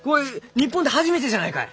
日本で初めてじゃないかえ？